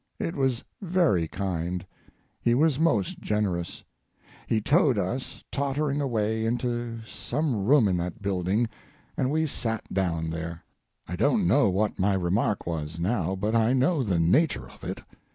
It was very kind—he was most generous. He towed us tottering away into some room in that building, and we sat down there. I don't know what my remark was now, but I know the nature of it.